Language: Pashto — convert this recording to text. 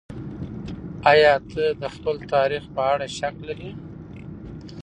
ايا ته د خپل تاريخ په اړه شک لرې؟